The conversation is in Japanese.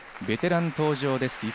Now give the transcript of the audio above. ベテラン登場です。